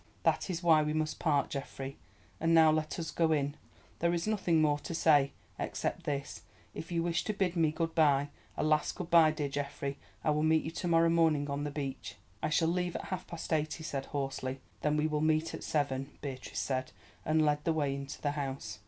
That is why we must part, Geoffrey. And now let us go in; there is nothing more to say, except this: if you wish to bid me good bye, a last good bye, dear Geoffrey, I will meet you to morrow morning on the beach." "I shall leave at half past eight," he said hoarsely. "Then we will meet at seven," Beatrice said, and led the way into the house.